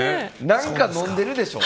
何か飲んでるでしょ。